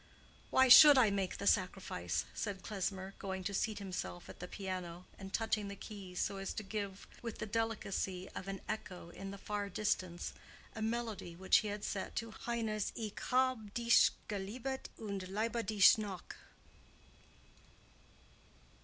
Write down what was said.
"Why should I make the sacrifice?" said Klesmer, going to seat himself at the piano, and touching the keys so as to give with the delicacy of an echo in the far distance a melody which he had set to Heine's "Ich hab' dich geliebet und liebe dich noch."